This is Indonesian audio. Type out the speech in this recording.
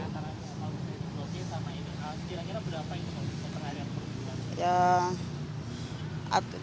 kira kira berapa yang bisa terakhir